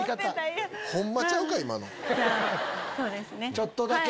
ちょっとだけ。